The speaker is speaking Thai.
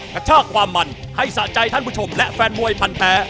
กระชากความมันให้สะใจท่านผู้ชมและแฟนมวยพันแท้